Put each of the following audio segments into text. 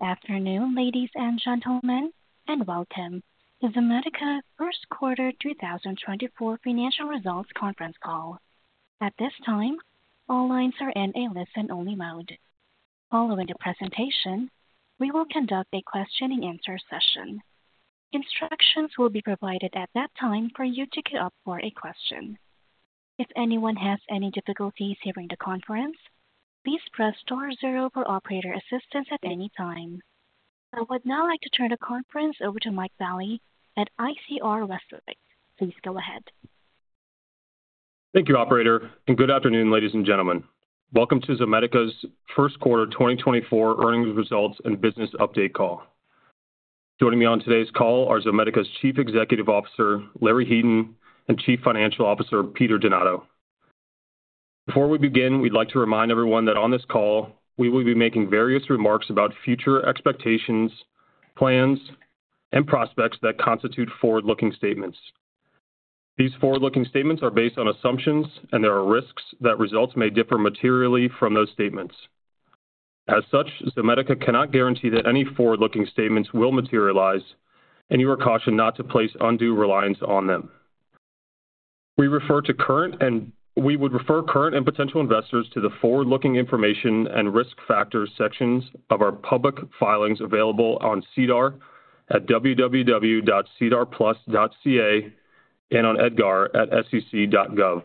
Good afternoon, ladies and gentlemen, and welcome to Zomedica First Quarter 2024 Financial Results Conference Call. At this time, all lines are in a listen-only mode. Following the presentation, we will conduct a question-and-answer session. Instructions will be provided at that time for you to get up for a question. If anyone has any difficulties hearing the conference, please press star zero for operator assistance at any time. I would now like to turn the conference over to Mike Vallie at ICR Westwicke. Please go ahead. Thank you, operator, and good afternoon, ladies and gentlemen. Welcome to Zomedica's first quarter 2024 earnings results and business update call. Joining me on today's call are Zomedica's Chief Executive Officer Larry Heaton and Chief Financial Officer Peter Donato. Before we begin, we'd like to remind everyone that on this call we will be making various remarks about future expectations, plans, and prospects that constitute forward-looking statements. These forward-looking statements are based on assumptions, and there are risks that results may differ materially from those statements. As such, Zomedica cannot guarantee that any forward-looking statements will materialize, and you are cautioned not to place undue reliance on them. We refer to current and we would refer current and potential investors to the forward-looking information and risk factors sections of our public filings available on SEDAR at www.sedarplus.ca and on EDGAR at SEC.gov.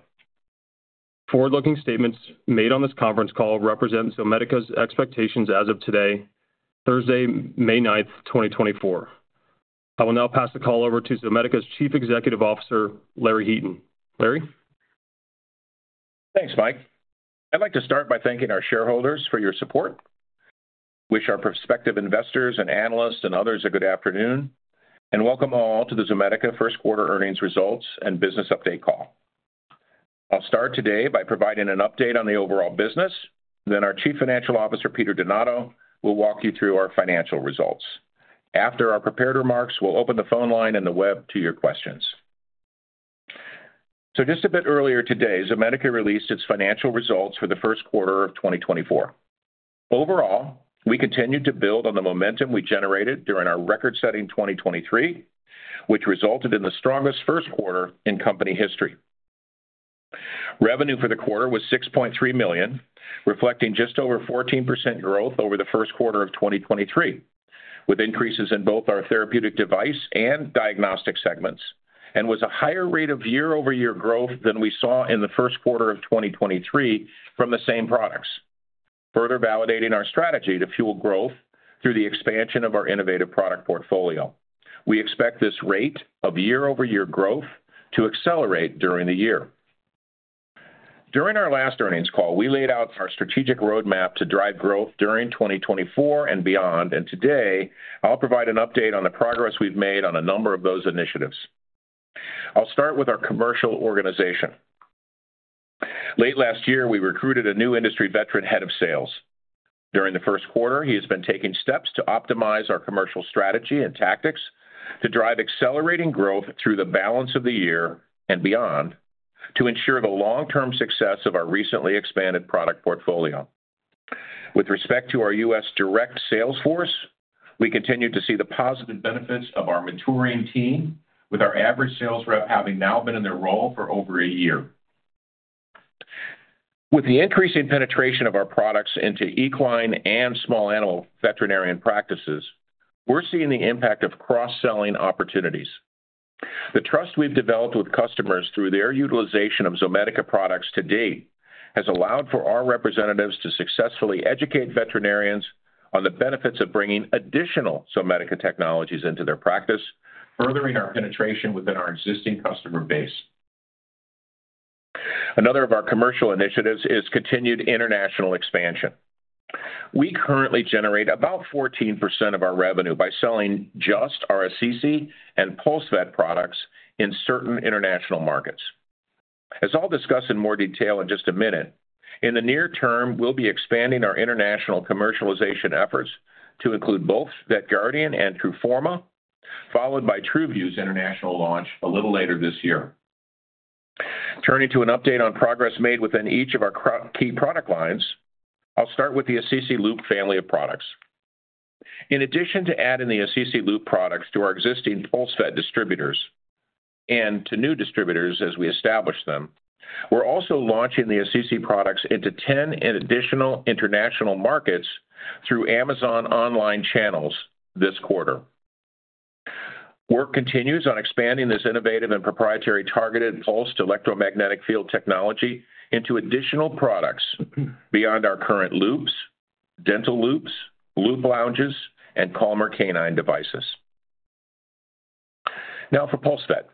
Forward-looking statements made on this conference call represent Zomedica's expectations as of today, Thursday, May 9th, 2024. I will now pass the call over to Zomedica's Chief Executive Officer Larry Heaton. Larry? Thanks, Mike. I'd like to start by thanking our shareholders for your support. I wish our prospective investors and analysts and others a good afternoon and welcome all to the Zomedica first quarter earnings results and business update call. I'll start today by providing an update on the overall business, then our Chief Financial Officer Peter Donato will walk you through our financial results. After our prepared remarks, we'll open the phone line and the web to your questions. Just a bit earlier today, Zomedica released its financial results for the first quarter of 2024. Overall, we continued to build on the momentum we generated during our record-setting 2023, which resulted in the strongest first quarter in company history. Revenue for the quarter was $6.3 million, reflecting just over 14% growth over the first quarter of 2023, with increases in both our therapeutic device and diagnostic segments, and was a higher rate of year-over-year growth than we saw in the first quarter of 2023 from the same products, further validating our strategy to fuel growth through the expansion of our innovative product portfolio. We expect this rate of year-over-year growth to accelerate during the year. During our last earnings call, we laid out our strategic roadmap to drive growth during 2024 and beyond, and today, I'll provide an update on the progress we've made on a number of those initiatives. I'll start with our commercial organization. Late last year, we recruited a new industry veteran head of sales. During the first quarter, he has been taking steps to optimize our commercial strategy and tactics to drive accelerating growth through the balance of the year and beyond to ensure the long-term success of our recently expanded product portfolio. With respect to our U.S. direct sales force, we continue to see the positive benefits of our mentoring team, with our average sales rep having now been in their role for over a year. With the increasing penetration of our products into equine and small animal veterinarian practices, we're seeing the impact of cross-selling opportunities. The trust we've developed with customers through their utilization of Zomedica products to date has allowed for our representatives to successfully educate veterinarians on the benefits of bringing additional Zomedica technologies into their practice, furthering our penetration within our existing customer base. Another of our commercial initiatives is continued international expansion. We currently generate about 14% of our revenue by selling just Assisi and PulseVet products in certain international markets. As I'll discuss in more detail in just a minute, in the near term, we'll be expanding our international commercialization efforts to include both VETGuardian and TRUFORMA, followed by TRUVIEW's international launch a little later this year. Turning to an update on progress made within each of our key product lines, I'll start with the Assisi Loop family of products. In addition to adding the Assisi Loop products to our existing PulseVet distributors and to new distributors as we establish them, we're also launching the Assisi Loop products into 10 additional international markets through Amazon online channels this quarter. Work continues on expanding this innovative and proprietary targeted pulsed electromagnetic field technology into additional products beyond our current Loops, Dental Loops, Loop Lounges, and Calmer Canine devices. Now, for PulseVet,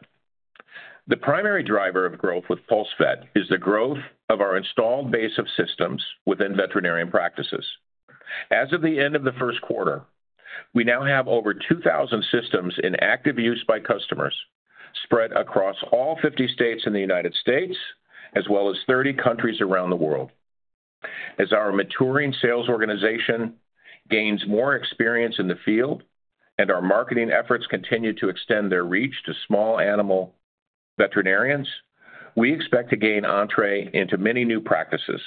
the primary driver of growth with PulseVet is the growth of our installed base of systems within veterinarian practices. As of the end of the first quarter, we now have over 2,000 systems in active use by customers spread across all 50 states in the United States, as well as 30 countries around the world. As our mentoring sales organization gains more experience in the field and our marketing efforts continue to extend their reach to small animal veterinarians, we expect to gain entrée into many new practices,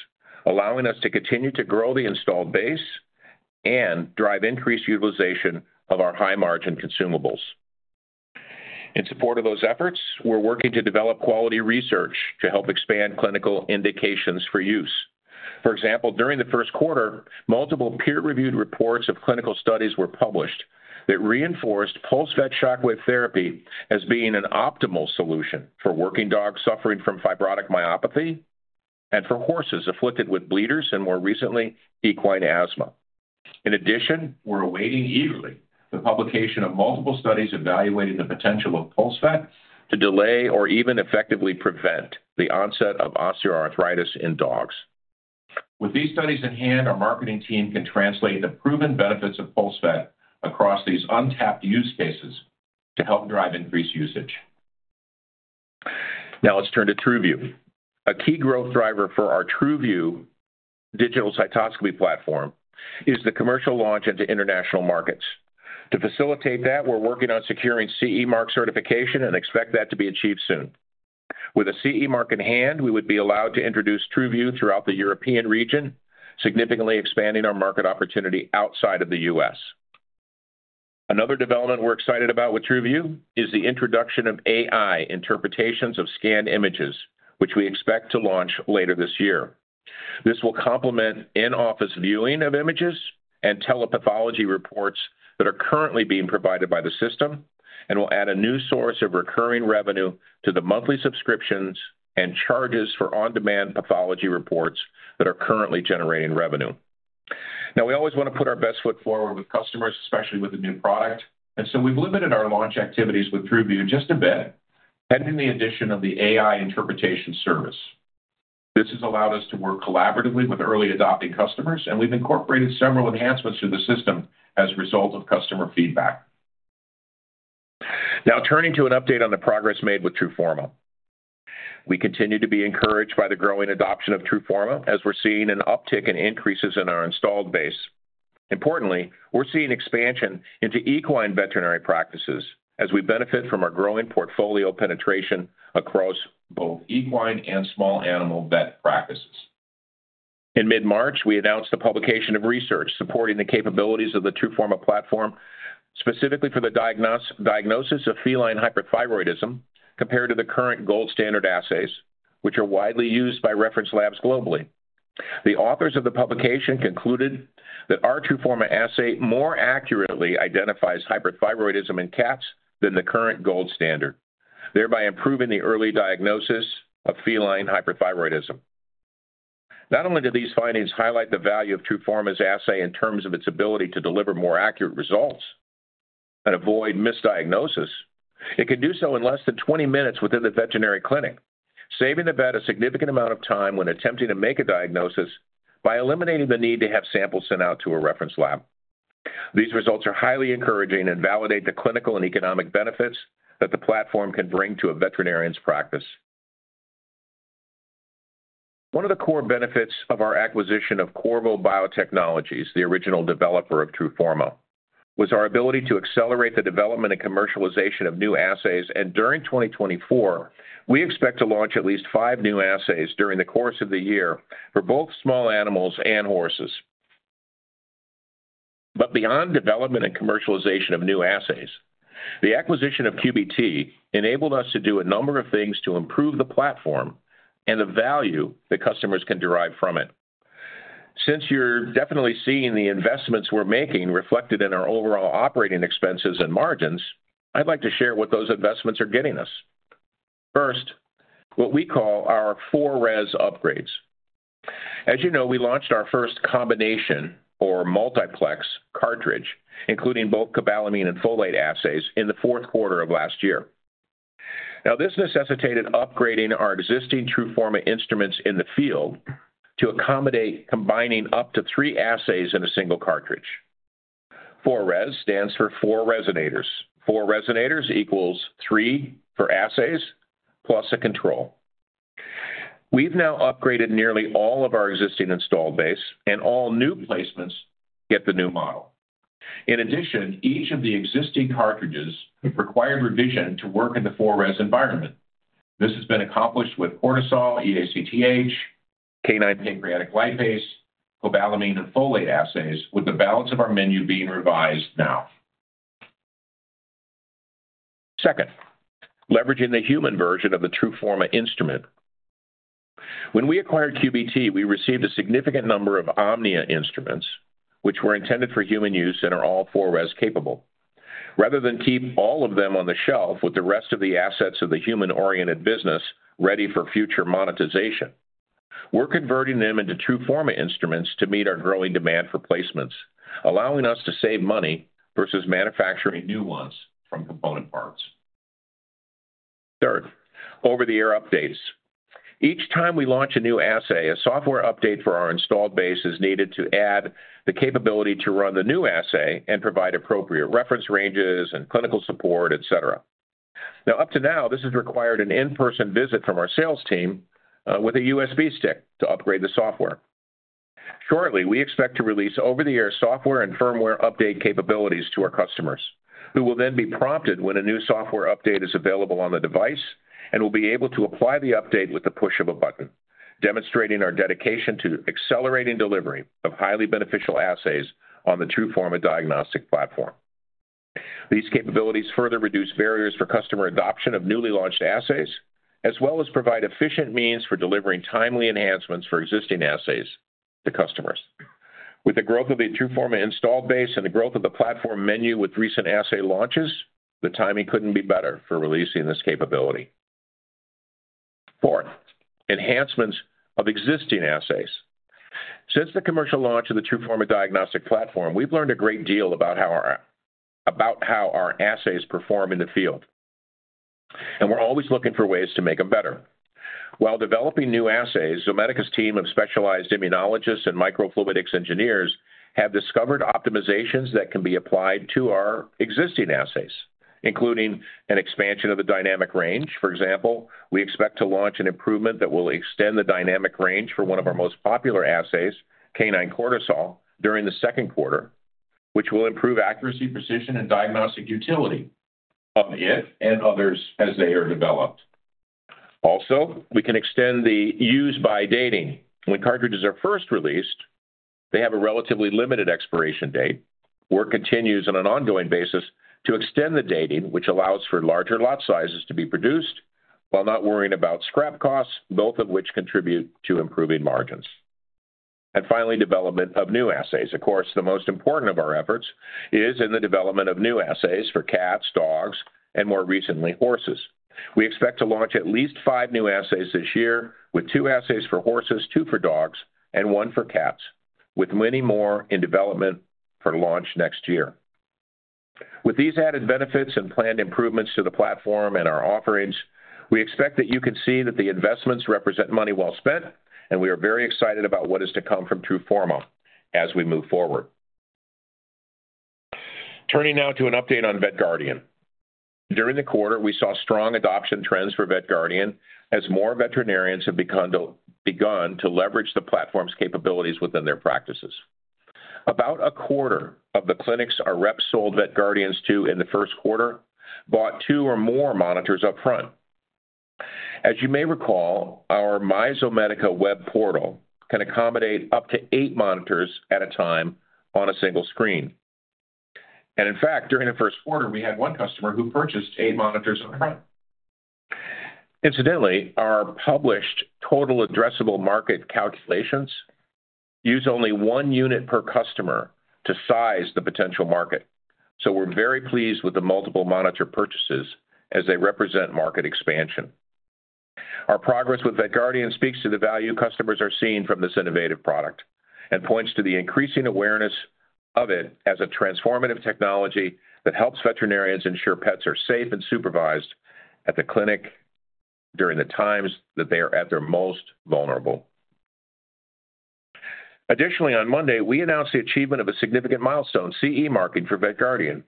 allowing us to continue to grow the installed base and drive increased utilization of our high-margin consumables. In support of those efforts, we're working to develop quality research to help expand clinical indications for use. For example, during the first quarter, multiple peer-reviewed reports of clinical studies were published that reinforced PulseVet shockwave therapy as being an optimal solution for working dogs suffering from fibrotic myopathy and for horses afflicted with bleeders and, more recently, equine asthma. In addition, we're awaiting eagerly the publication of multiple studies evaluating the potential of PulseVet to delay or even effectively prevent the onset of osteoarthritis in dogs. With these studies in hand, our marketing team can translate the proven benefits of PulseVet across these untapped use cases to help drive increased usage. Now, let's turn to TRUVIEW. A key growth driver for our TRUVIEW digital cytology platform is the commercial launch into international markets. To facilitate that, we're working on securing CE mark certification and expect that to be achieved soon. With a CE mark in hand, we would be allowed to introduce TRUVIEW throughout the European region, significantly expanding our market opportunity outside of the U.S. Another development we're excited about with TRUVIEW is the introduction of AI interpretations of scanned images, which we expect to launch later this year. This will complement in-office viewing of images and telepathology reports that are currently being provided by the system and will add a new source of recurring revenue to the monthly subscriptions and charges for on-demand pathology reports that are currently generating revenue. Now, we always want to put our best foot forward with customers, especially with a new product. And so, we've limited our launch activities with TRUVIEW just a bit pending the addition of the AI interpretation service. This has allowed us to work collaboratively with early adopting customers, and we've incorporated several enhancements to the system as a result of customer feedback. Now, turning to an update on the progress made with TRUFORMA. We continue to be encouraged by the growing adoption of TRUFORMA as we're seeing an uptick in increases in our installed base. Importantly, we're seeing expansion into equine veterinary practices as we benefit from our growing portfolio penetration across both equine and small animal vet practices. In mid-March, we announced the publication of research supporting the capabilities of the TRUFORMA platform specifically for the diagnosis of feline hyperthyroidism compared to the current gold standard assays, which are widely used by reference labs globally. The authors of the publication concluded that our TRUFORMA assay more accurately identifies hyperthyroidism in cats than the current gold standard, thereby improving the early diagnosis of feline hyperthyroidism. Not only do these findings highlight the value of TRUFORMA's assay in terms of its ability to deliver more accurate results and avoid misdiagnosis, it can do so in less than 20 minutes within the veterinary clinic, saving the vet a significant amount of time when attempting to make a diagnosis by eliminating the need to have samples sent out to a reference lab. These results are highly encouraging and validate the clinical and economic benefits that the platform can bring to a veterinarian's practice. One of the core benefits of our acquisition of Qorvo Biotechnologies, the original developer of TRUFORMA, was our ability to accelerate the development and commercialization of new assays. During 2024, we expect to launch at least five new assays during the course of the year for both small animals and horses. But beyond development and commercialization of new assays, the acquisition of QBT enabled us to do a number of things to improve the platform and the value that customers can derive from it. Since you're definitely seeing the investments we're making reflected in our overall operating expenses and margins, I'd like to share what those investments are getting us. First, what we call our four res upgrades. As you know, we launched our first combination or multiplex cartridge, including both cobalamin and folate assays, in the fourth quarter of last year. Now, this necessitated upgrading our existing TRUFORMA instruments in the field to accommodate combining up to three assays in a single cartridge. Four res stands for four resonators. Four resonators equals three for assays plus a control. We've now upgraded nearly all of our existing installed base, and all new placements get the new model. In addition, each of the existing cartridges required revision to work in the four res environment. This has been accomplished with cortisol, eACTH, canine pancreatic lipase, cobalamin, and folate assays, with the balance of our menu being revised now. Second, leveraging the human version of the TRUFORMA instrument. When we acquired QBT, we received a significant number of Omnia instruments, which were intended for human use and are all four res capable. Rather than keep all of them on the shelf with the rest of the assets of the human-oriented business ready for future monetization, we're converting them into TRUFORMA instruments to meet our growing demand for placements, allowing us to save money versus manufacturing new ones from component parts. Third, over-the-air updates. Each time we launch a new assay, a software update for our installed base is needed to add the capability to run the new assay and provide appropriate reference ranges and clinical support, etc. Now, up to now, this has required an in-person visit from our sales team with a USB stick to upgrade the software. Shortly, we expect to release over-the-air software and firmware update capabilities to our customers, who will then be prompted when a new software update is available on the device and will be able to apply the update with the push of a button, demonstrating our dedication to accelerating delivery of highly beneficial assays on the TRUFORMA diagnostic platform. These capabilities further reduce barriers for customer adoption of newly launched assays, as well as provide efficient means for delivering timely enhancements for existing assays to customers. With the growth of the TRUFORMA installed base and the growth of the platform menu with recent assay launches, the timing couldn't be better for releasing this capability. Fourth, enhancements of existing assays. Since the commercial launch of the TRUFORMA diagnostic platform, we've learned a great deal about how our assays perform in the field. We're always looking for ways to make them better. While developing new assays, Zomedica's team of specialized immunologists and microfluidics engineers have discovered optimizations that can be applied to our existing assays, including an expansion of the dynamic range. For example, we expect to launch an improvement that will extend the dynamic range for one of our most popular assays, canine cortisol, during the second quarter, which will improve accuracy, precision, and diagnostic utility of it and others as they are developed. Also, we can extend the use-by dating. When cartridges are first released, they have a relatively limited expiration date. Work continues on an ongoing basis to extend the dating, which allows for larger lot sizes to be produced while not worrying about scrap costs, both of which contribute to improving margins. And finally, development of new assays. Of course, the most important of our efforts is in the development of new assays for cats, dogs, and more recently, horses. We expect to launch at least five new assays this year, with two assays for horses, two for dogs, and one for cats, with many more in development for launch next year. With these added benefits and planned improvements to the platform and our offerings, we expect that you can see that the investments represent money well spent, and we are very excited about what is to come from TRUFORMA as we move forward. Turning now to an update on VETGuardian. During the quarter, we saw strong adoption trends for VETGuardian as more veterinarians have begun to leverage the platform's capabilities within their practices. About a quarter of the clinics our reps sold VETGuardian s to in the first quarter bought two or more monitors upfront. As you may recall, our MyZomedica web portal can accommodate up to eight monitors at a time on a single screen. And in fact, during the first quarter, we had one customer who purchased eight monitors at a clip. Incidentally, our published total addressable market calculations use only one unit per customer to size the potential market. So, we're very pleased with the multiple monitor purchases as they represent market expansion. Our progress with VETGuardian speaks to the value customers are seeing from this innovative product and points to the increasing awareness of it as a transformative technology that helps veterinarians ensure pets are safe and supervised at the clinic during the times that they are at their most vulnerable. Additionally, on Monday, we announced the achievement of a significant milestone, CE marking, for VETGuardian.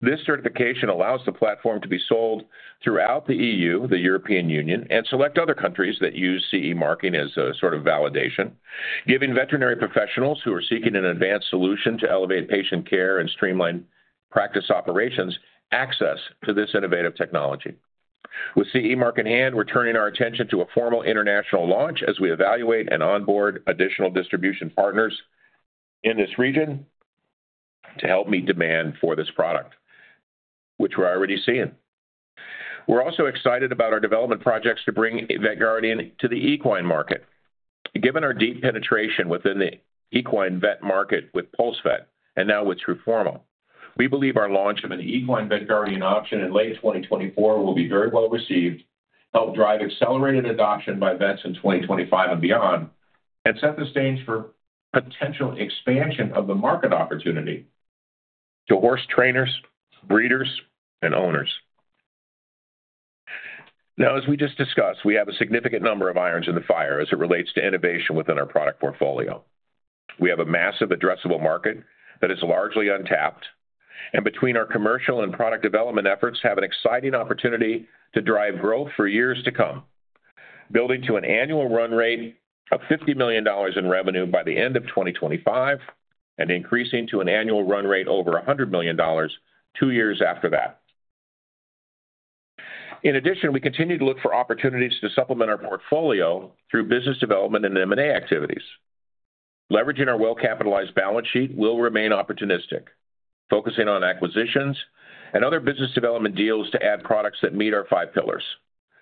This certification allows the platform to be sold throughout the EU, the European Union, and select other countries that use CE marking as a sort of validation, giving veterinary professionals who are seeking an advanced solution to elevate patient care and streamline practice operations access to this innovative technology. With CE mark in hand, we're turning our attention to a formal international launch as we evaluate and onboard additional distribution partners in this region to help meet demand for this product, which we're already seeing. We're also excited about our development projects to bring VETGuardian to the equine market. Given our deep penetration within the equine vet market with PulseVet and now with TRUFORMA, we believe our launch of an equine VETGuardian option in late 2024 will be very well received, help drive accelerated adoption by vets in 2025 and beyond, and set the stage for potential expansion of the market opportunity to horse trainers, breeders, and owners. Now, as we just discussed, we have a significant number of irons in the fire as it relates to innovation within our product portfolio. We have a massive addressable market that is largely untapped. And between our commercial and product development efforts have an exciting opportunity to drive growth for years to come, building to an annual run rate of $50 million in revenue by the end of 2025 and increasing to an annual run rate over $100 million two years after that. In addition, we continue to look for opportunities to supplement our portfolio through business development and M&A activities. Leveraging our well-capitalized balance sheet will remain opportunistic, focusing on acquisitions and other business development deals to add products that meet our five pillars,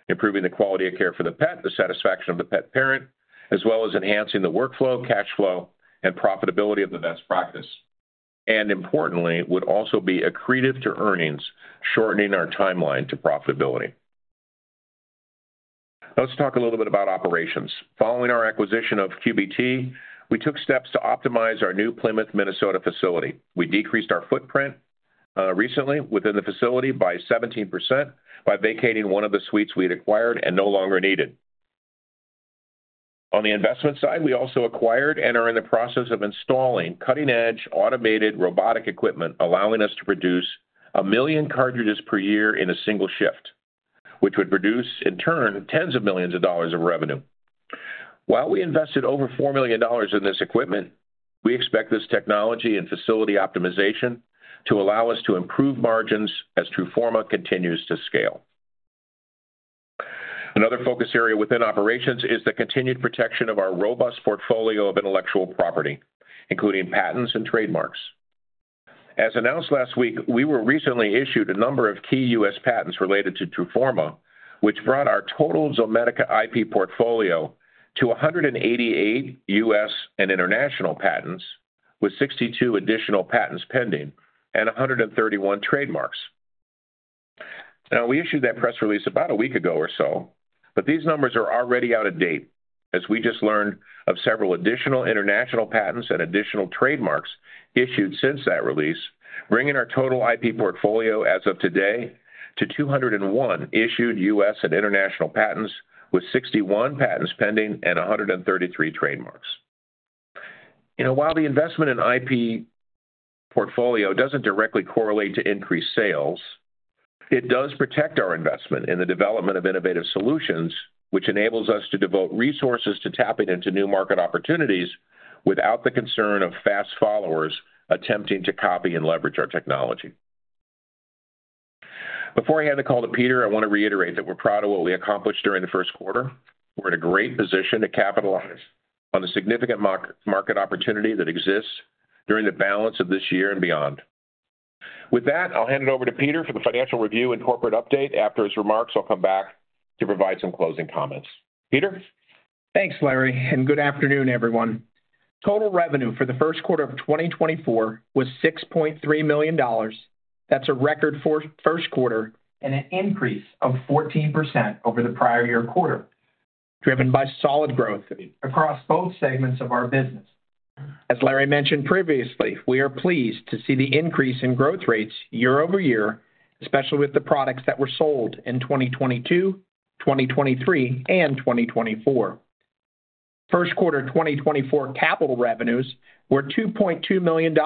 improving the quality of care for the pet, the satisfaction of the pet parent, as well as enhancing the workflow, cashflow, and profitability of the vet's practice. And importantly, would also be accretive to earnings, shortening our timeline to profitability. Let's talk a little bit about operations. Following our acquisition of QBT, we took steps to optimize our new Plymouth, Minnesota facility. We decreased our footprint recently within the facility by 17% by vacating one of the suites we had acquired and no longer needed. On the investment side, we also acquired and are in the process of installing cutting-edge automated robotic equipment allowing us to produce 1 million cartridges per year in a single shift, which would produce, in turn, tens of millions of dollars of revenue. While we invested over $4 million in this equipment, we expect this technology and facility optimization to allow us to improve margins as TRUFORMA continues to scale. Another focus area within operations is the continued protection of our robust portfolio of intellectual property, including patents and trademarks. As announced last week, we were recently issued a number of key U.S. Patents related to TRUFORMA, which brought our total Zomedica IP portfolio to 188 U.S. and international patents, with 62 additional patents pending and 131 trademarks. Now, we issued that press release about a week ago or so, but these numbers are already out of date, as we just learned of several additional international patents and additional trademarks issued since that release, bringing our total IP portfolio as of today to 201 issued U.S. and international patents, with 61 patents pending and 133 trademarks. You know, while the investment in IP portfolio doesn't directly correlate to increased sales, it does protect our investment in the development of innovative solutions, which enables us to devote resources to tapping into new market opportunities without the concern of fast followers attempting to copy and leverage our technology. Before I hand the call to Peter, I want to reiterate that we're proud of what we accomplished during the first quarter. We're in a great position to capitalize on the significant market opportunity that exists during the balance of this year and beyond. With that, I'll hand it over to Peter for the financial review and corporate update. After his remarks, I'll come back to provide some closing comments. Peter? Thanks, Larry, and good afternoon, everyone. Total revenue for the first quarter of 2024 was $6.3 million. That's a record for first quarter and an increase of 14% over the prior year quarter, driven by solid growth across both segments of our business. As Larry mentioned previously, we are pleased to see the increase in growth rates year-over-year, especially with the products that were sold in 2022, 2023, and 2024. First quarter 2024 capital revenues were $2.2 million.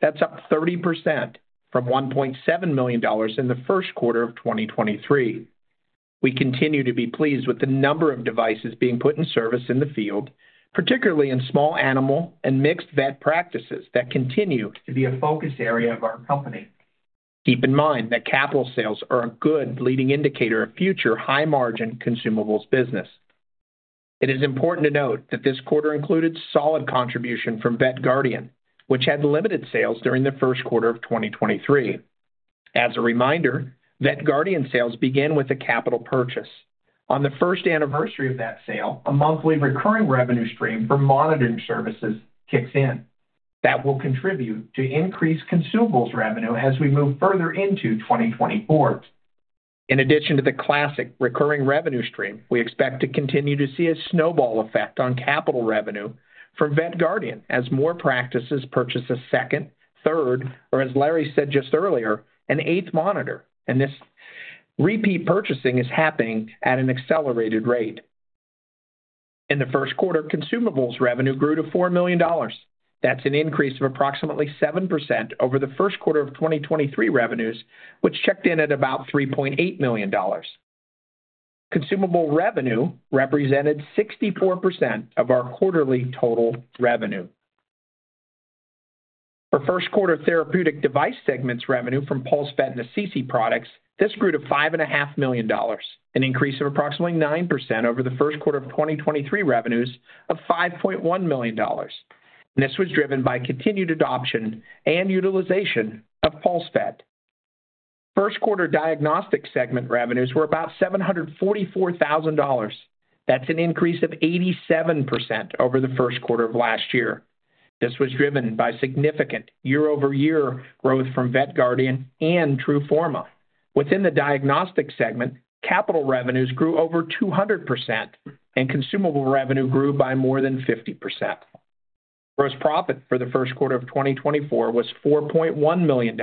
That's up 30% from $1.7 million in the first quarter of 2023. We continue to be pleased with the number of devices being put in service in the field, particularly in small animal and mixed vet practices that continue to be a focus area of our company. Keep in mind that capital sales are a good leading indicator of future high-margin consumables business. It is important to note that this quarter included solid contribution from VETGuardian , which had limited sales during the first quarter of 2023. As a reminder, VETGuardian sales begin with a capital purchase. On the first anniversary of that sale, a monthly recurring revenue stream for monitoring services kicks in. That will contribute to increased consumables revenue as we move further into 2024. In addition to the classic recurring revenue stream, we expect to continue to see a snowball effect on capital revenue from VETGuardian as more practices purchase a second, third, or, as Larry said just earlier, an eighth monitor. This repeat purchasing is happening at an accelerated rate. In the first quarter, consumables revenue grew to $4 million. That's an increase of approximately 7% over the first quarter of 2023 revenues, which checked in at about $3.8 million. Consumables revenue represented 64% of our quarterly total revenue. For first quarter therapeutic device segments revenue from PulseVet and Assisi products, this grew to $5.5 million, an increase of approximately 9% over the first quarter of 2023 revenues of $5.1 million. This was driven by continued adoption and utilization of PulseVet. First quarter diagnostic segment revenues were about $744,000. That's an increase of 87% over the first quarter of last year. This was driven by significant year-over-year growth from VETGuardian and TRUFORMA. Within the diagnostic segment, capital revenues grew over 200%, and consumable revenue grew by more than 50%. Gross profit for the first quarter of 2024 was $4.1 million,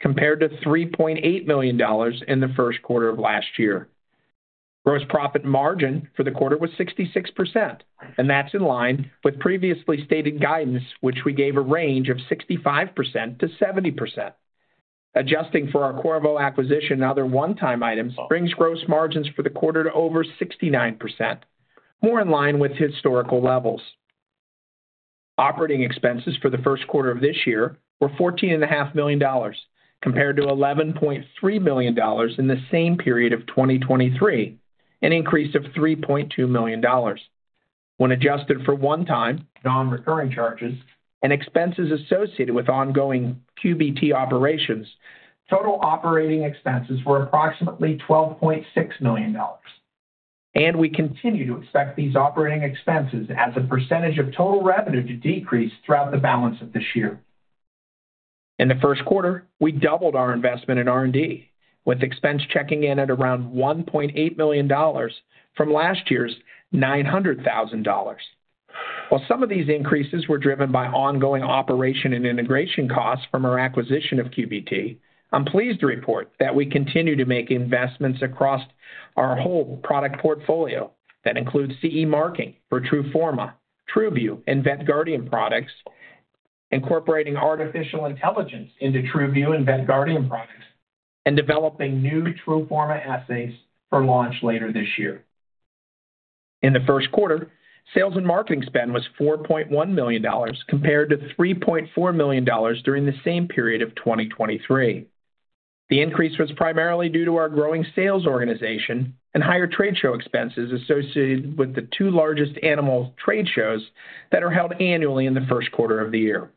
compared to $3.8 million in the first quarter of last year. Gross profit margin for the quarter was 66%, and that's in line with previously stated guidance, which we gave a range of 65%-70%. Adjusting for our Qorvo acquisition and other one-time items brings gross margins for the quarter to over 69%, more in line with historical levels. Operating expenses for the first quarter of this year were $14.5 million, compared to $11.3 million in the same period of 2023, an increase of $3.2 million. When adjusted for one-time, non-recurring charges, and expenses associated with ongoing QBT operations, total operating expenses were approximately $12.6 million. We continue to expect these operating expenses as a percentage of total revenue to decrease throughout the balance of this year. In the first quarter, we doubled our investment in R&D, with expense checking in at around $1.8 million from last year's $900,000. While some of these increases were driven by ongoing operation and integration costs from our acquisition of QBT, I'm pleased to report that we continue to make investments across our whole product portfolio that includes CE mark for TRUFORMA, TRUVIEW, and VETGuardian products, incorporating artificial intelligence into TRUVIEW and VETGuardian products, and developing new TRUFORMA assays for launch later this year. In the first quarter, sales and marketing spend was $4.1 million, compared to $3.4 million during the same period of 2023. The increase was primarily due to our growing sales organization and higher trade show expenses associated with the two largest animal trade shows that are held annually in the first quarter of the year.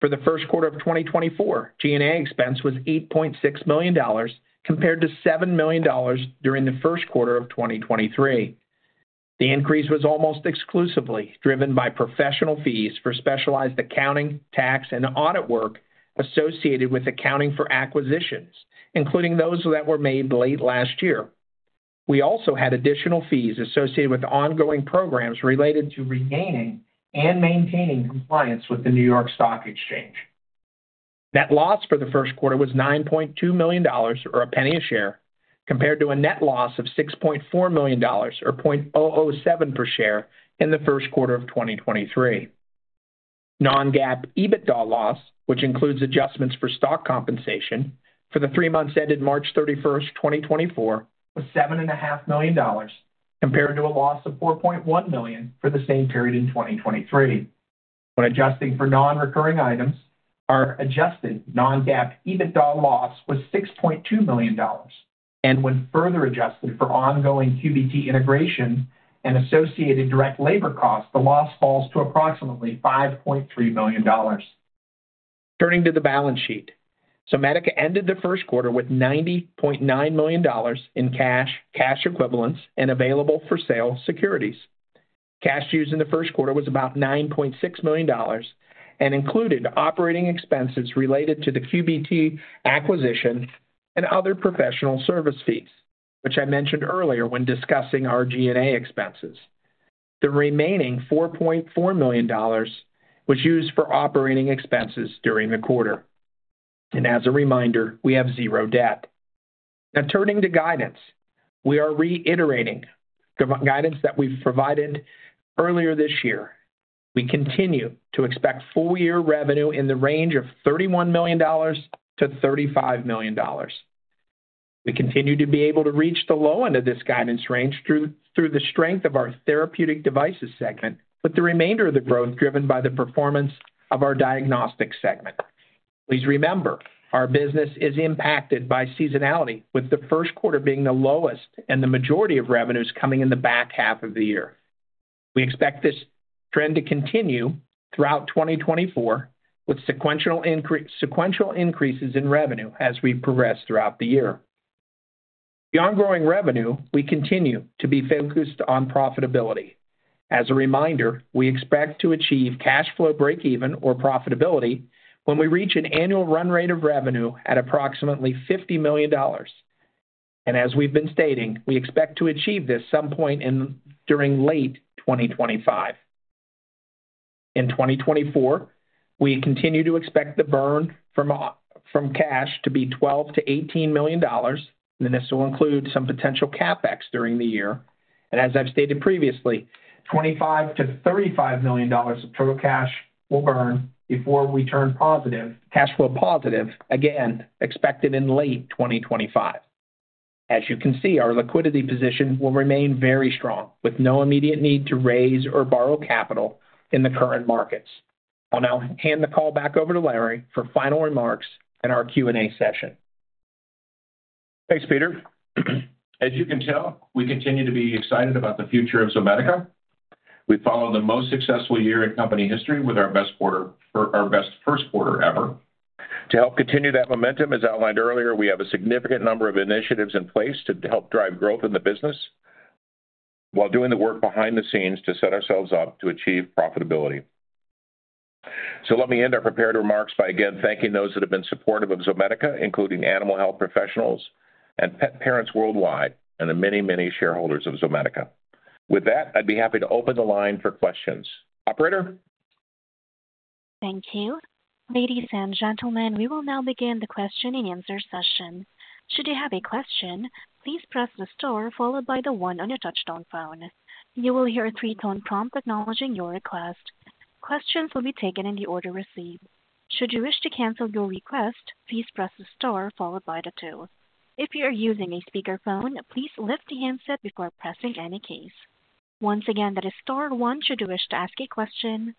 For the first quarter of 2024, G&A expense was $8.6 million, compared to $7 million during the first quarter of 2023. The increase was almost exclusively driven by professional fees for specialized accounting, tax, and audit work associated with accounting for acquisitions, including those that were made late last year. We also had additional fees associated with ongoing programs related to regaining and maintaining compliance with the New York Stock Exchange. Net loss for the first quarter was $9.2 million, or $0.01 per share, compared to a net loss of $6.4 million, or $0.007 per share, in the first quarter of 2023. Non-GAAP EBITDA loss, which includes adjustments for stock compensation for the three months ended March 31st, 2024, was $7.5 million, compared to a loss of $4.1 million for the same period in 2023. When adjusting for non-recurring items, our adjusted non-GAAP EBITDA loss was $6.2 million. When further adjusted for ongoing QBT integration and associated direct labor costs, the loss falls to approximately $5.3 million. Turning to the balance sheet. Zomedica ended the first quarter with $90.9 million in cash, cash equivalents, and available-for-sale securities. Cash used in the first quarter was about $9.6 million and included operating expenses related to the QBT acquisition and other professional service fees, which I mentioned earlier when discussing our G&A expenses. The remaining $4.4 million was used for operating expenses during the quarter. As a reminder, we have zero debt. Now, turning to guidance. We are reiterating guidance that we've provided earlier this year. We continue to expect full-year revenue in the range of $31 million-$35 million. We continue to be able to reach the low end of this guidance range through the strength of our therapeutic devices segment, with the remainder of the growth driven by the performance of our diagnostic segment. Please remember, our business is impacted by seasonality, with the first quarter being the lowest and the majority of revenues coming in the back half of the year. We expect this trend to continue throughout 2024, with sequential increases in revenue as we progress throughout the year. Beyond growing revenue, we continue to be focused on profitability. As a reminder, we expect to achieve cash flow break-even, or profitability, when we reach an annual run rate of revenue at approximately $50 million. As we've been stating, we expect to achieve this some point during late 2025. In 2024, we continue to expect the burn from cash to be $12 million-$18 million. Then this will include some potential CapEx during the year. As I've stated previously, $25 million-$35 million of total cash will burn before we turn positive. Cash flow positive, again, expected in late 2025. As you can see, our liquidity position will remain very strong, with no immediate need to raise or borrow capital in the current markets. I'll now hand the call back over to Larry for final remarks and our Q&A session. Thanks, Peter. As you can tell, we continue to be excited about the future of Zomedica. We've followed the most successful year in company history with our best quarter for our best first quarter ever. To help continue that momentum, as outlined earlier, we have a significant number of initiatives in place to help drive growth in the business while doing the work behind the scenes to set ourselves up to achieve profitability. So, let me end our prepared remarks by again thanking those that have been supportive of Zomedica, including animal health professionals and pet parents worldwide, and the many, many shareholders of Zomedica. With that, I'd be happy to open the line for questions. Operator? Thank you. Ladies and gentlemen, we will now begin the question-and-answer session. Should you have a question, please press the star followed by the one on your touch-tone phone. You will hear a three-tone prompt acknowledging your request. Questions will be taken in the order received. Should you wish to cancel your request, please press the star followed by the two. If you are using a speakerphone, please lift the handset before pressing any keys. Once again, that is star one should you wish to ask a question.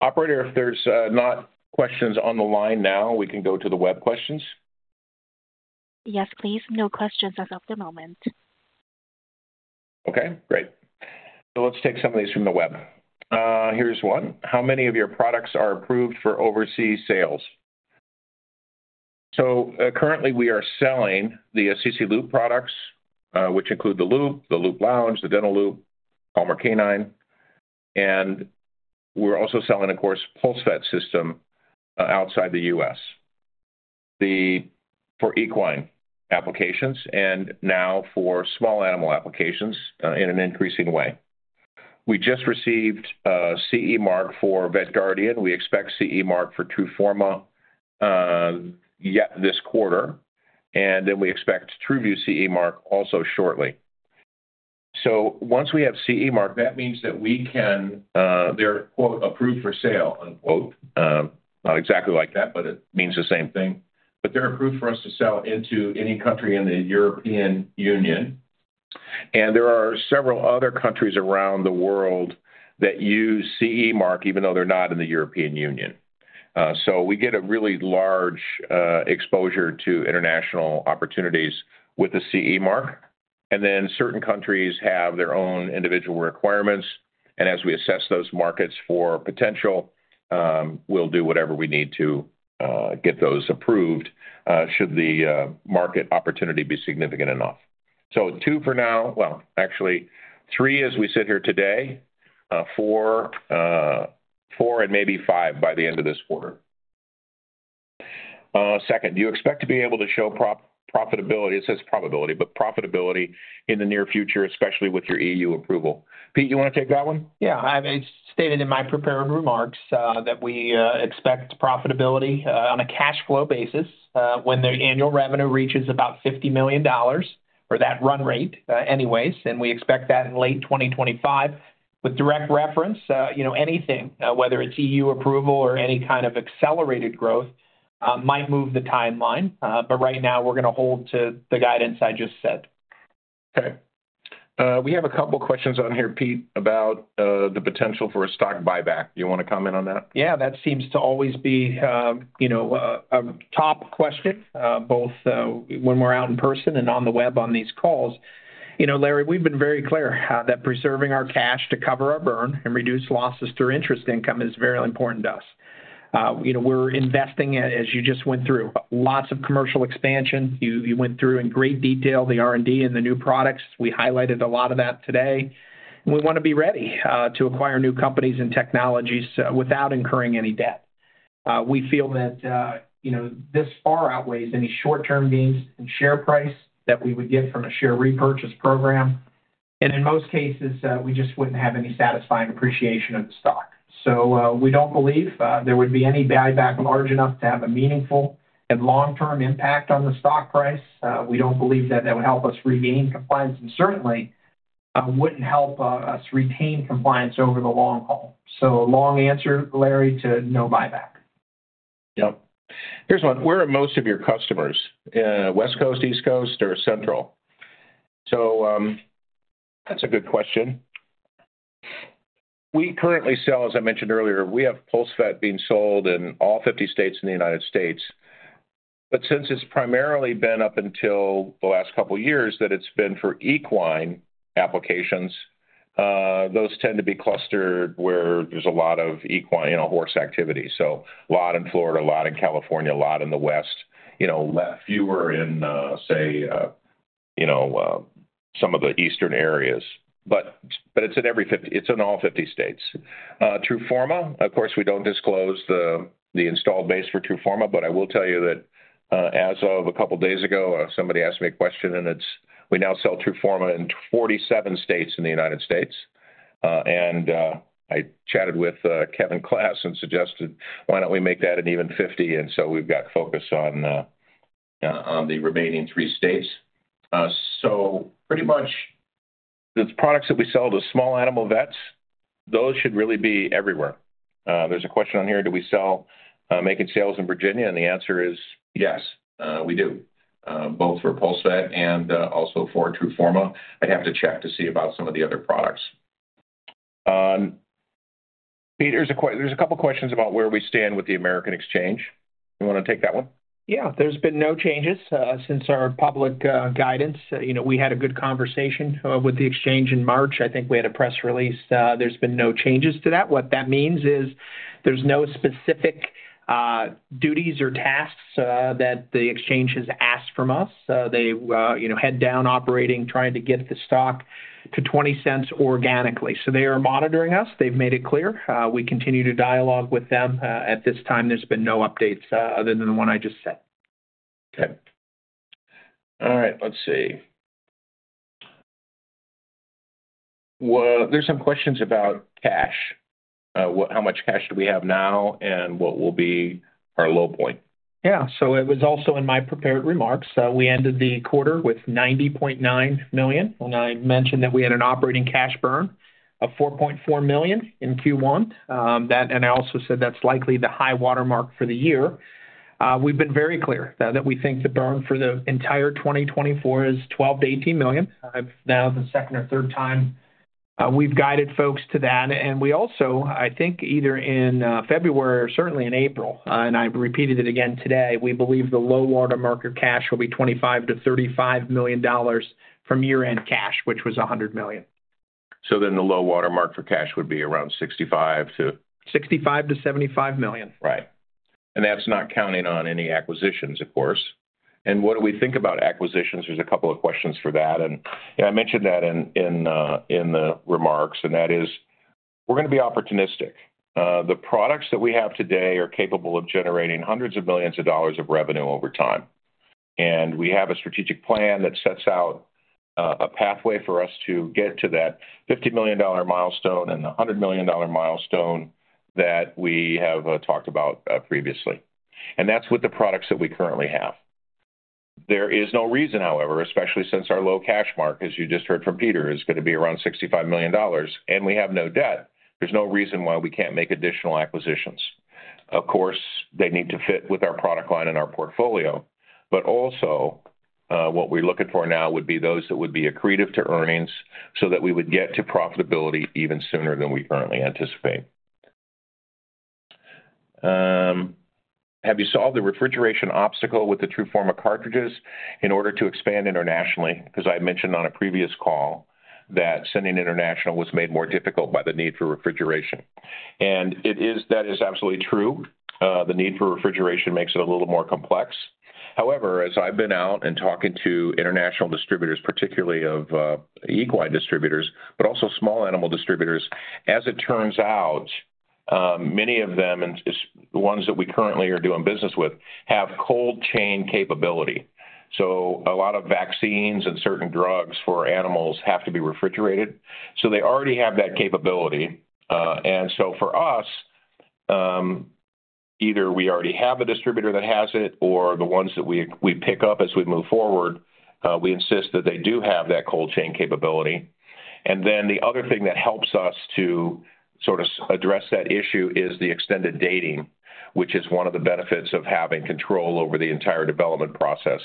Operator, if there's not questions on the line now, we can go to the web questions? Yes, please. No questions as of the moment. Okay, great. So, let's take some of these from the web. Here's one. How many of your products are approved for overseas sales? So, currently, we are selling the Assisi Loop products, which include the Loop, the Loop Lounge, the Dental Loop, Calmer Canine. And we're also selling, of course, PulseVet system outside the U.S. for equine applications and now for small animal applications in an increasing way. We just received CE mark for VETGuardian. We expect CE mark for TRUFORMA yet this quarter. And then we expect TRUVIEW CE mark also shortly. So, once we have CE mark. That means that we can they're, quote, "approved for sale," unquote. Not exactly like that, but it means the same thing. But they're approved for us to sell into any country in the European Union. And there are several other countries around the world that use CE mark, even though they're not in the European Union. So, we get a really large exposure to international opportunities with the CE mark. And then certain countries have their own individual requirements. And as we assess those markets for potential, we'll do whatever we need to get those approved should the market opportunity be significant enough. So, two for now. Well, actually, three as we sit here today. Four and maybe five by the end of this quarter. Second, do you expect to be able to show profitability? It says probability, but profitability in the near future, especially with your EU approval. Pete, you want to take that one? Yeah, I've stated in my prepared remarks that we expect profitability on a cash flow basis when the annual revenue reaches about $50 million or that run rate anyways. We expect that in late 2025. With direct reference, you know, anything, whether it's EU approval or any kind of accelerated growth, might move the timeline. But right now, we're going to hold to the guidance I just said. Okay. We have a couple of questions on here, Pete, about the potential for a stock buyback. Do you want to comment on that? Yeah, that seems to always be, you know, a top question, both when we're out in person and on the web on these calls. You know, Larry, we've been very clear that preserving our cash to cover our burn and reduce losses through interest income is very important to us. You know, we're investing, as you just went through, lots of commercial expansion. You went through in great detail the R&D and the new products. We highlighted a lot of that today. We want to be ready to acquire new companies and technologies without incurring any debt. We feel that, you know, this far outweighs any short-term gains in share price that we would get from a share repurchase program. In most cases, we just wouldn't have any satisfying appreciation of the stock. We don't believe there would be any buyback large enough to have a meaningful and long-term impact on the stock price. We don't believe that that would help us regain compliance. Certainly, wouldn't help us retain compliance over the long haul. So, long answer, Larry, to no buyback. Yep. Here's one. Where are most of your customers? West Coast, East Coast, or Central? So, that's a good question. We currently sell, as I mentioned earlier, we have PulseVet being sold in all 50 states in the United States. But since it's primarily been up until the last couple of years that it's been for equine applications, those tend to be clustered where there's a lot of equine, you know, horse activity. So, a lot in Florida, a lot in California, a lot in the West. You know, fewer in, say, you know, some of the eastern areas. But it's in every 50 it's in all 50 states. TRUFORMA, of course, we don't disclose the installed base for TRUFORMA. But I will tell you that, as of a couple of days ago, somebody asked me a question. And it's we now sell TRUFORMA in 47 states in the United States. And I chatted with Kevin Klass and suggested, why don't we make that an even 50? And so, we've got focus on the remaining three states. So, pretty much the products that we sell to small animal vets, those should really be everywhere. There's a question on here. Do we sell making sales in Virginia? And the answer is yes, we do, both for PulseVet and also for TRUFORMA. I'd have to check to see about some of the other products. Pete, there's a couple of questions about where we stand with the American Exchange. You want to take that one? Yeah, there's been no changes since our public guidance. You know, we had a good conversation with the Exchange in March. I think we had a press release. There's been no changes to that. What that means is there's no specific duties or tasks that the Exchange has asked from us. They, you know, head down operating, trying to get the stock to $0.20 organically. So, they are monitoring us. They've made it clear. We continue to dialogue with them. At this time, there's been no updates other than the one I just said. Okay. All right, let's see. There's some questions about cash. How much cash do we have now and what will be our low point? Yeah, so it was also in my prepared remarks. We ended the quarter with $90.9 million. And I mentioned that we had an operating cash burn of $4.4 million in Q1. I also said that's likely the high watermark for the year. We've been very clear that we think the burn for the entire 2024 is $12 million-$18 million. Now, the second or third time, we've guided folks to that. And we also, I think either in February or certainly in April, and I repeated it again today, we believe the low watermark of cash will be $25 million-$35 million from year-end cash, which was $100 million. So, then the low watermark for cash would be around $65 million to $65 million to $75 million? Right. And that's not counting on any acquisitions, of course. And what do we think about acquisitions? There's a couple of questions for that. And I mentioned that in the remarks. And that is, we're going to be opportunistic. The products that we have today are capable of generating hundreds of millions of dollars of revenue over time. We have a strategic plan that sets out a pathway for us to get to that $50 million milestone and the $100 million milestone that we have talked about previously. That's with the products that we currently have. There is no reason, however, especially since our low cash mark, as you just heard from Peter, is going to be around $65 million. We have no debt. There's no reason why we can't make additional acquisitions. Of course, they need to fit with our product line and our portfolio. Also, what we're looking for now would be those that would be accretive to earnings so that we would get to profitability even sooner than we currently anticipate. Have you solved the refrigeration obstacle with the TRUFORMA cartridges in order to expand internationally? Because I mentioned on a previous call that sending international was made more difficult by the need for refrigeration. And it is that is absolutely true. The need for refrigeration makes it a little more complex. However, as I've been out and talking to international distributors, particularly of equine distributors, but also small animal distributors, as it turns out, many of them, and the ones that we currently are doing business with, have cold chain capability. So, a lot of vaccines and certain drugs for animals have to be refrigerated. So, they already have that capability. And so, for us, either we already have a distributor that has it or the ones that we pick up as we move forward, we insist that they do have that cold chain capability. And then the other thing that helps us to sort of address that issue is the extended dating, which is one of the benefits of having control over the entire development process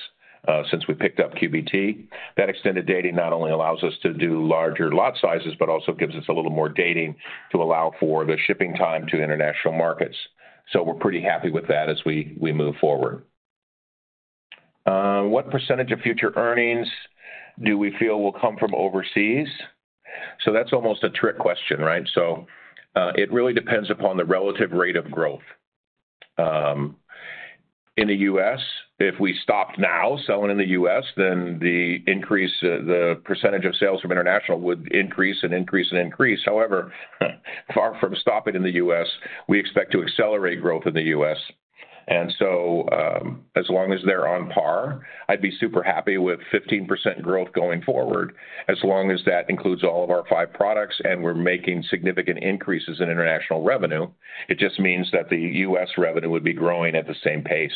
since we picked up QBT. That extended dating not only allows us to do larger lot sizes, but also gives us a little more dating to allow for the shipping time to international markets. So, we're pretty happy with that as we move forward. What percentage of future earnings do we feel will come from overseas? So, that's almost a trick question, right? So, it really depends upon the relative rate of growth. In the U.S., if we stopped now selling in the U.S., then the increase the percentage of sales from international would increase and increase and increase. However, far from stopping in the U.S., we expect to accelerate growth in the U.S. As long as they're on par, I'd be super happy with 15% growth going forward. As long as that includes all of our five products and we're making significant increases in international revenue, it just means that the U.S. revenue would be growing at the same pace.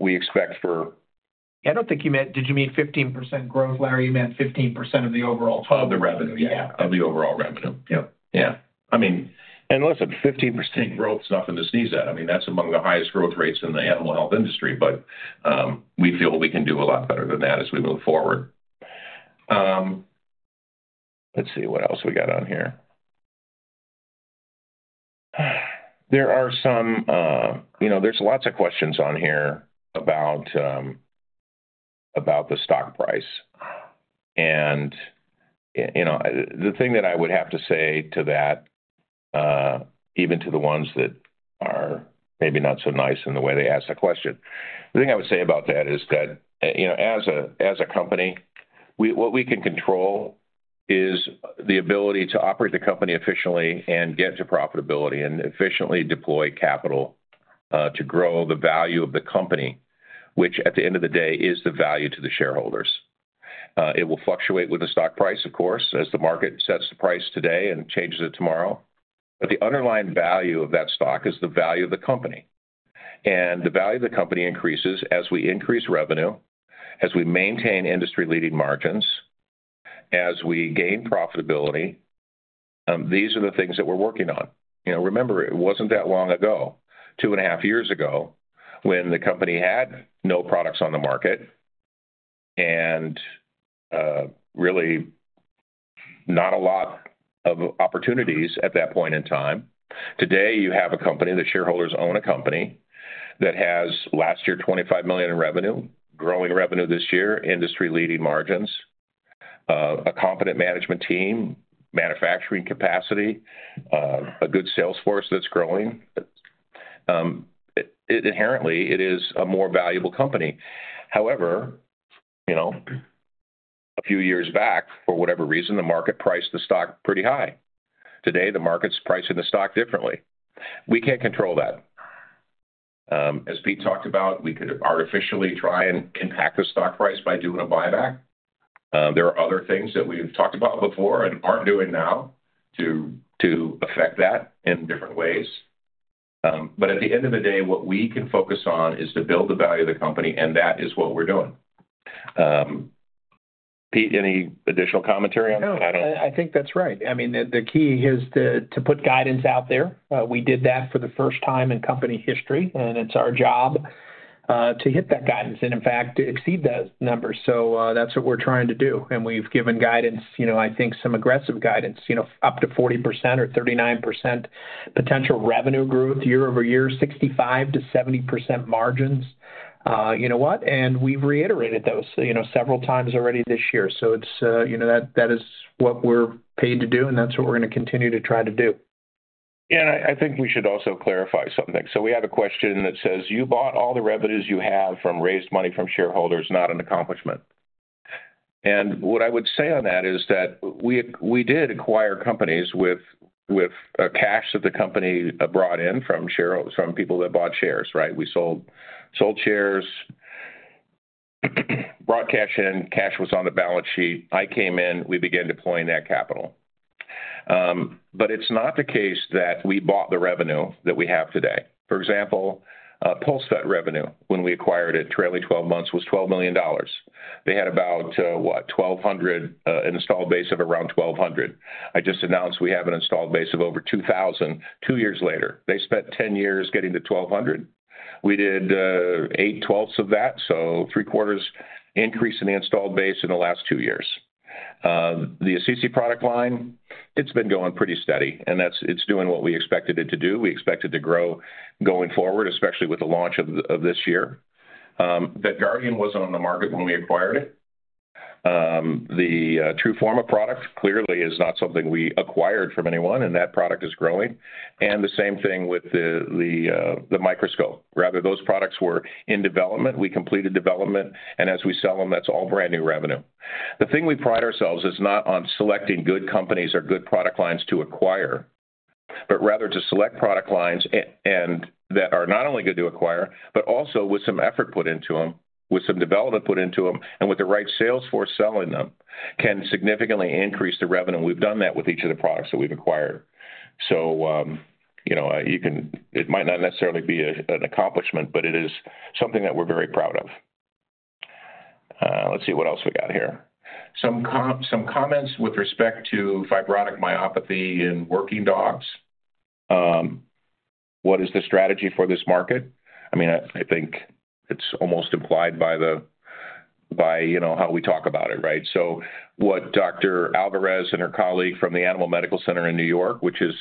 We expect for I don't think you meant did you mean 15% growth, Larry? You meant 15% of the overall total revenue? Of the revenue, yeah. Of the overall revenue. Yep. Yeah. I mean, and listen, 15% growth is nothing to sneeze at. I mean, that's among the highest growth rates in the animal health industry. But we feel we can do a lot better than that as we move forward. Let's see what else we got on here. There are some you know, there's lots of questions on here about the stock price. You know, the thing that I would have to say to that, even to the ones that are maybe not so nice in the way they ask the question, the thing I would say about that is that, you know, as a company, what we can control is the ability to operate the company efficiently and get to profitability and efficiently deploy capital to grow the value of the company, which at the end of the day is the value to the shareholders. It will fluctuate with the stock price, of course, as the market sets the price today and changes it tomorrow. But the underlying value of that stock is the value of the company. And the value of the company increases as we increase revenue, as we maintain industry-leading margins, as we gain profitability. These are the things that we're working on. You know, remember, it wasn't that long ago, two and a half years ago, when the company had no products on the market and really not a lot of opportunities at that point in time. Today, you have a company, the shareholders own a company that has last year $25 million in revenue, growing revenue this year, industry-leading margins, a competent management team, manufacturing capacity, a good sales force that's growing. It, inherently, it is a more valuable company. However, you know, a few years back, for whatever reason, the market priced the stock pretty high. Today, the market's pricing the stock differently. We can't control that. As Pete talked about, we could artificially try and impact the stock price by doing a buyback. There are other things that we've talked about before and aren't doing now to affect that in different ways. But at the end of the day, what we can focus on is to build the value of the company. That is what we're doing. Pete, any additional commentary on that? No, I think that's right. I mean, the key is to put guidance out there. We did that for the first time in company history. It's our job to hit that guidance and, in fact, exceed those numbers. That's what we're trying to do. We've given guidance, you know, I think some aggressive guidance, you know, up to 40% or 39% potential revenue growth year-over-year, 65%-70% margins. You know what? We've reiterated those, you know, several times already this year. It's, you know, that is what we're paid to do. That's what we're going to continue to try to do. Yeah, and I think we should also clarify something. So, we have a question that says, you bought all the revenues you have from raised money from shareholders, not an accomplishment. And what I would say on that is that we did acquire companies with cash that the company brought in from people that bought shares, right? We sold shares, brought cash in, cash was on the balance sheet. I came in, we began deploying that capital. But it's not the case that we bought the revenue that we have today. For example, PulseVet revenue, when we acquired it, Trailing 12 Months was $12 million. They had about, what, 1,200, an installed base of around 1,200. I just announced we have an installed base of over 2,000 two years later. They spent 10 years getting to 1,200. We did 8/12 of that, so 3/4 increase in the installed base in the last two years. The Assisi product line, it's been going pretty steady. It's doing what we expected it to do. We expected to grow going forward, especially with the launch of this year. That VETGuardian wasn't on the market when we acquired it. The TRUFORMA product clearly is not something we acquired from anyone. That product is growing. The same thing with the microscope. Rather, those products were in development. We completed development. As we sell them, that's all brand new revenue. The thing we pride ourselves on is not on selecting good companies or good product lines to acquire, but rather to select product lines that are not only good to acquire, but also with some effort put into them, with some development put into them, and with the right sales force selling them, can significantly increase the revenue. We've done that with each of the products that we've acquired. So, you know, it might not necessarily be an accomplishment, but it is something that we're very proud of. Let's see what else we got here. Some comments with respect to fibrotic myopathy in working dogs. What is the strategy for this market? I mean, I think it's almost implied by the by, you know, how we talk about it, right? So, what Dr. Alvarez and her colleague from the Animal Medical Center in New York, which is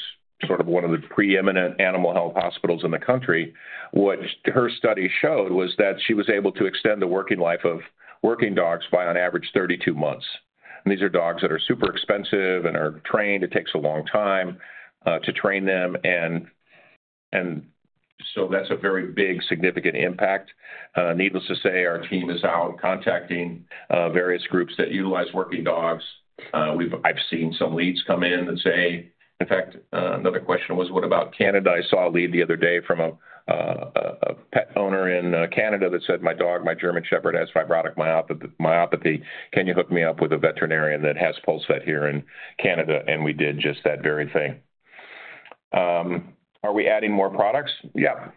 sort of one of the preeminent animal health hospitals in the country, what her study showed was that she was able to extend the working life of working dogs by, on average, 32 months. These are dogs that are super expensive and are trained. It takes a long time to train them. So, that's a very big, significant impact. Needless to say, our team is out contacting various groups that utilize working dogs. I've seen some leads come in that say in fact, another question was, what about Canada? I saw a lead the other day from a pet owner in Canada that said, "My dog, my German Shepherd, has fibrotic myopathy. Can you hook me up with a veterinarian that has PulseVet here in Canada?" And we did just that very thing. Are we adding more products? Yep.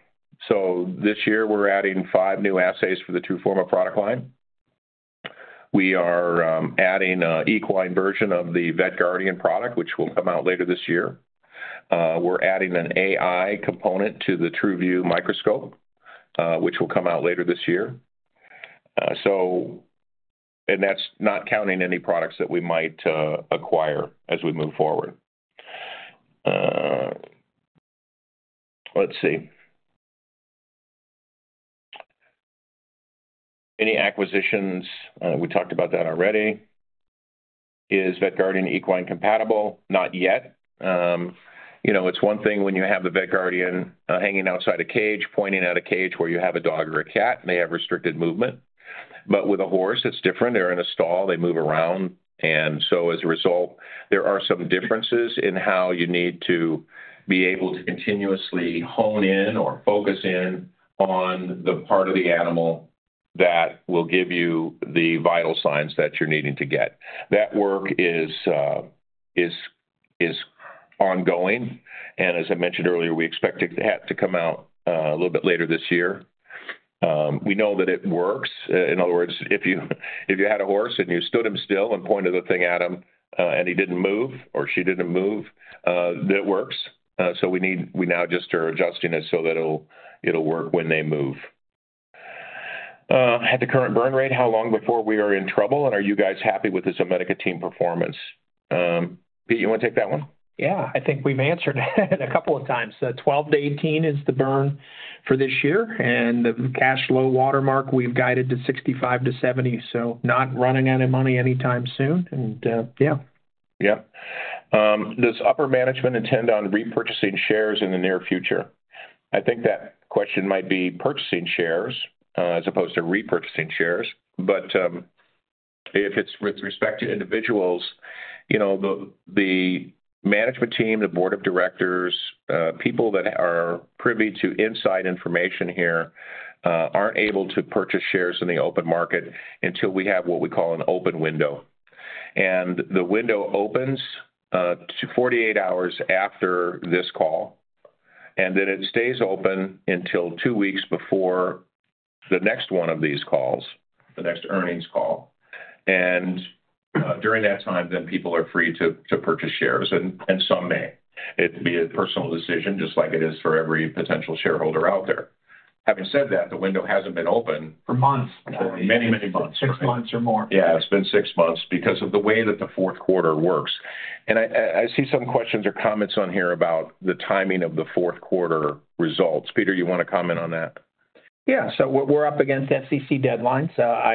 So, this year, we're adding five new assays for the TRUFORMA product line. We are adding an equine version of the VETGuardian product, which will come out later this year. We're adding an AI component to the TRUVIEW microscope, which will come out later this year. So, and that's not counting any products that we might acquire as we move forward. Let's see. Any acquisitions? We talked about that already. Is VETGuardian equine compatible? Not yet. You know, it's one thing when you have the VETGuardian hanging outside a cage, pointing at a cage where you have a dog or a cat, may have restricted movement. But with a horse, it's different. They're in a stall. They move around. As a result, there are some differences in how you need to be able to continuously hone in or focus in on the part of the animal that will give you the vital signs that you're needing to get. That work is ongoing. And as I mentioned earlier, we expect it to come out a little bit later this year. We know that it works. In other words, if you had a horse and you stood him still and pointed the thing at him and he didn't move or she didn't move, that works. So, we now just are adjusting it so that it'll work when they move. At the current burn rate, how long before we are in trouble? And are you guys happy with this Zomedica team performance? Pete, you want to take that one? Yeah, I think we've answered it a couple of times. $12-$18 is the burn for this year. And the cash low watermark, we've guided to $65-$70. So, not running out of money anytime soon. And yeah. Yep. Does upper management intend on repurchasing shares in the near future? I think that question might be purchasing shares as opposed to repurchasing shares. But if it's with respect to individuals, you know, the management team, the board of directors, people that are privy to inside information here aren't able to purchase shares in the open market until we have what we call an open window. And the window opens 48 hours after this call. And then it stays open until two weeks before the next one of these calls, the next earnings call. And during that time, then people are free to purchase shares. And some may. It'd be a personal decision, just like it is for every potential shareholder out there. Having said that, the window hasn't been open for months. For many, many months. Six months or more. Yeah, it's been six months because of the way that the fourth quarter works. And I see some questions or comments on here about the timing of the fourth quarter results. Peter, you want to comment on that? Yeah, so we're up against SEC deadlines.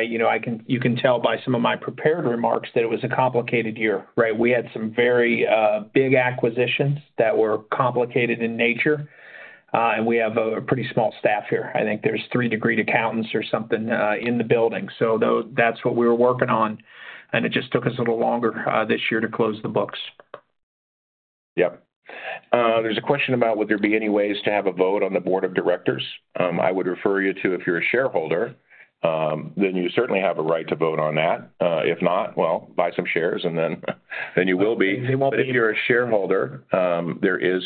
You know, you can tell by some of my prepared remarks that it was a complicated year, right? We had some very big acquisitions that were complicated in nature. And we have a pretty small staff here. I think there's three degreed accountants or something in the building. So, that's what we were working on. And it just took us a little longer this year to close the books. Yep. There's a question about would there be any ways to have a vote on the board of directors? I would refer you to if you're a shareholder, then you certainly have a right to vote on that. If not, well, buy some shares and then you will be. If you're a shareholder, there is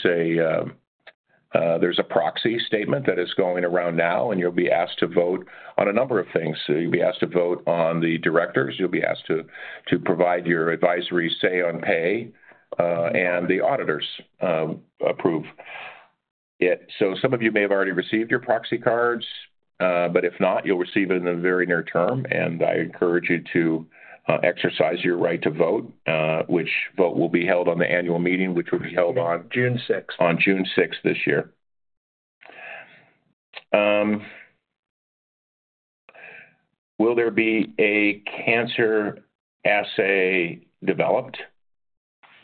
a proxy statement that is going around now. You'll be asked to vote on a number of things. You'll be asked to vote on the directors. You'll be asked to provide your advisory say on pay. The auditors approve it. Some of you may have already received your proxy cards. But if not, you'll receive it in the very near term. I encourage you to exercise your right to vote. Which vote will be held on the annual meeting, which will be held on June 6th. On June 6th this year. Will there be a cancer assay developed?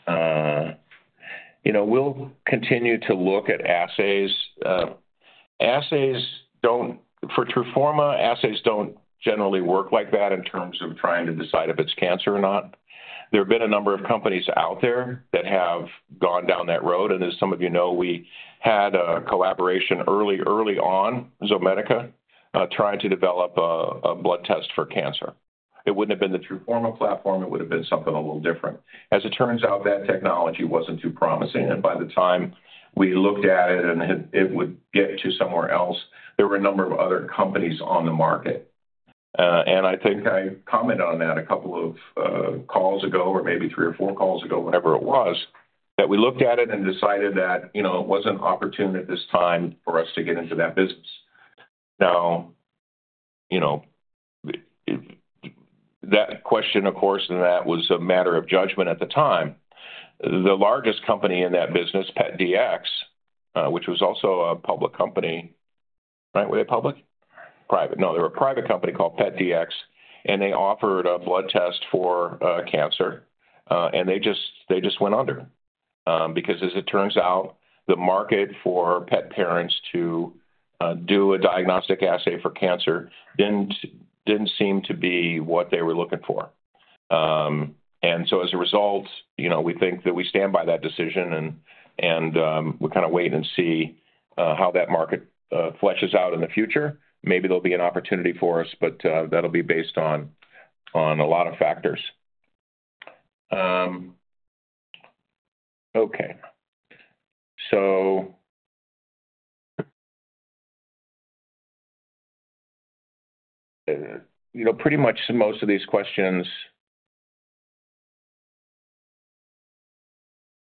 You know, we'll continue to look at assays. Assays don't generally work like that in terms of trying to decide if it's cancer or not. There have been a number of companies out there that have gone down that road. And as some of you know, we had a collaboration early, early on, Zomedica, trying to develop a blood test for cancer. It wouldn't have been the TRUFORMA platform. It would have been something a little different. As it turns out, that technology wasn't too promising. And by the time we looked at it and it would get to somewhere else, there were a number of other companies on the market. And I think I commented on that a couple of calls ago or maybe three or four calls ago, whenever it was, that we looked at it and decided that, you know, it wasn't an opportunity at this time for us to get into that business. Now, you know, that question, of course, and that was a matter of judgment at the time. The largest company in that business, PetDx, which was also a public company, right? Were they public? Private. No, they were a private company called PetDx. And they offered a blood test for cancer. And they just went under. Because, as it turns out, the market for pet parents to do a diagnostic assay for cancer didn't seem to be what they were looking for. And so, as a result, you know, we think that we stand by that decision. We kind of wait and see how that market fleshes out in the future. Maybe there'll be an opportunity for us, but that'll be based on a lot of factors. Okay. So, you know, pretty much most of these questions.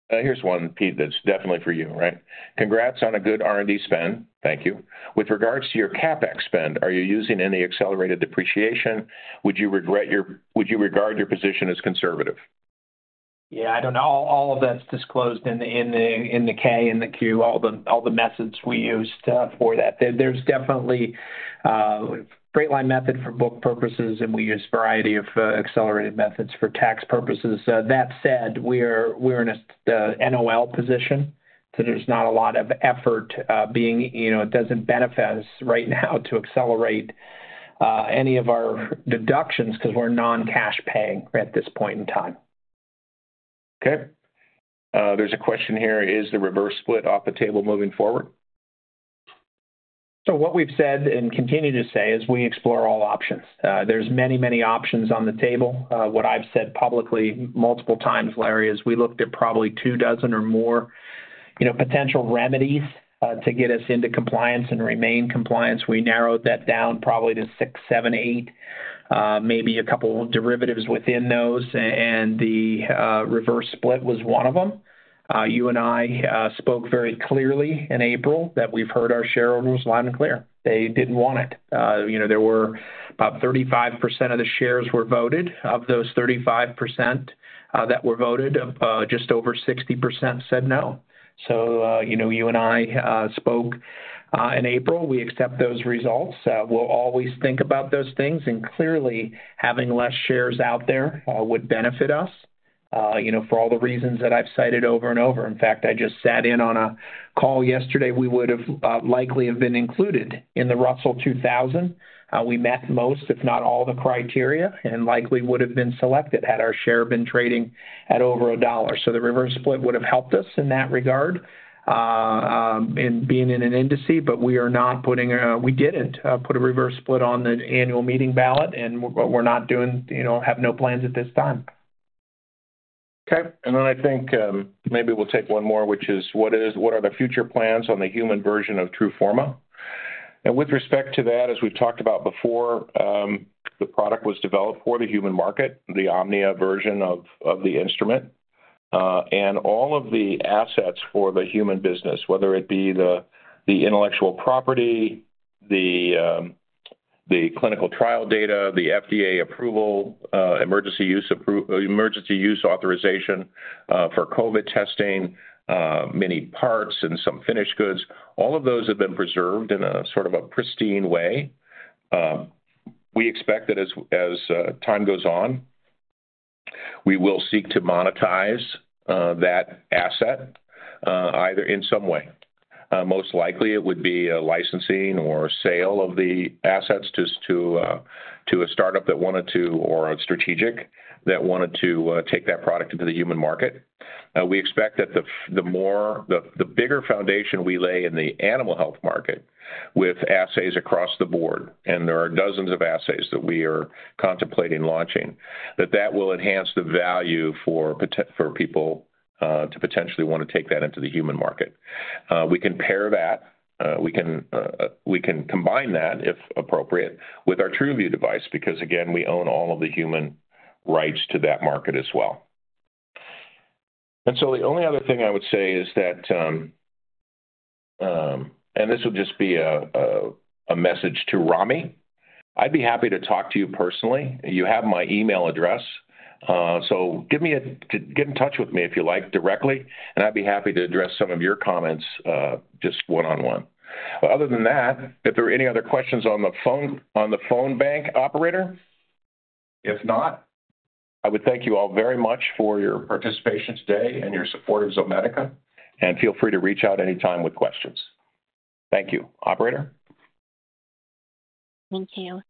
Here's one, Pete, that's definitely for you, right? Congrats on a good R&D spend. Thank you. With regards to your CapEx spend, are you using any accelerated depreciation? Would you regard your position as conservative? Yeah, I don't know. All of that's disclosed in the K and the Q, all the messages we used for that. There's definitely a straight-line method for book purposes. We use a variety of accelerated methods for tax purposes. That said, we're in an NOL position. So, there's not a lot of effort being, you know, it doesn't benefit us right now to accelerate any of our deductions because we're non-cash paying at this point in time. Okay. There's a question here. Is the reverse split off the table moving forward? So, what we've said and continue to say is we explore all options. There's many, many options on the table. What I've said publicly multiple times, Larry, is we looked at probably 24 or more, you know, potential remedies to get us into compliance and remain compliant. We narrowed that down probably to six, seven, eight, maybe a couple of derivatives within those. And the reverse split was one of them. You and I spoke very clearly in April that we've heard our shareholders loud and clear. They didn't want it. You know, there were about 35% of the shares were voted. Of those 35% that were voted, just over 60% said no. So, you know, you and I spoke in April. We accept those results. We'll always think about those things. And clearly, having less shares out there would benefit us, you know, for all the reasons that I've cited over and over. In fact, I just sat in on a call yesterday. We would have likely have been included in the Russell 2000. We met most, if not all, the criteria and likely would have been selected had our share been trading at over $1. So, the reverse split would have helped us in that regard in being in an index. But we are not putting a we didn't put a reverse split on the annual meeting ballot. And we're not doing, you know, have no plans at this time. Okay. Then I think maybe we'll take one more, which is, what are the future plans on the human version of TRUFORMA? With respect to that, as we've talked about before, the product was developed for the human market, the Omnia version of the instrument. All of the assets for the human business, whether it be the intellectual property, the clinical trial data, the FDA approval, emergency use authorization for COVID testing, many parts and some finished goods, all of those have been preserved in a sort of a pristine way. We expect that as time goes on, we will seek to monetize that asset either in some way. Most likely, it would be licensing or sale of the assets to a startup that wanted to or a strategic that wanted to take that product into the human market. We expect that the bigger foundation we lay in the animal health market with assays across the board and there are dozens of assays that we are contemplating launching, that that will enhance the value for people to potentially want to take that into the human market. We can pair that. We can combine that, if appropriate, with our TRUVIEW device because, again, we own all of the human rights to that market as well. And so, the only other thing I would say is that and this will just be a message to Rami. I'd be happy to talk to you personally. You have my email address. So, get in touch with me if you like directly. And I'd be happy to address some of your comments just one-on-one. Other than that, if there are any other questions on the phone, bank operator? If not, I would thank you all very much for your participation today and your support of Zomedica. Feel free to reach out anytime with questions. Thank you, operator. Thank you.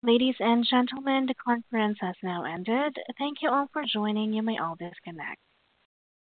Ladies and gentlemen, the conference has now ended. Thank you all for joining. You may all disconnect.